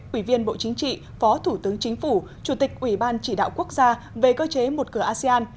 quỷ viên bộ chính trị phó thủ tướng chính phủ chủ tịch ủy ban chỉ đạo quốc gia về cơ chế một cửa asean